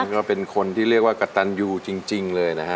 ก็เป็นคนที่เรียกว่ากระตันอยู่จริงเลยนะฮะ